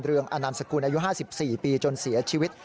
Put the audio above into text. อนามสกุลอายุ๕๔ปีจนเสียชีวิต